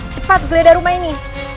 cepat geledah rumah ini